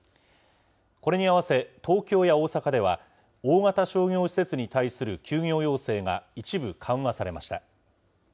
これに合わせ、東京や大阪では、大型商業施設に対する休業要請が一部緩和されました。